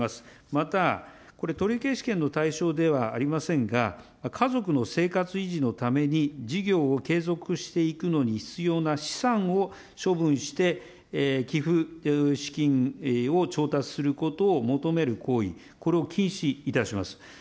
また、取消権の対象ではありませんが、家族の生活維持のために事業を継続していくのに必要な資産を処分して寄付資金を調達することを求める行為、これを禁止いたします。